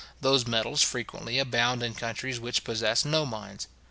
Those metals frequently abound in countries which possess no mines.